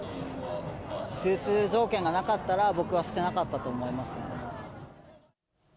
手術条件がなかったら、僕はしてなかったと思いますね。